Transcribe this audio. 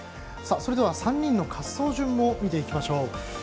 それでは３人の滑走順を見ていきましょう。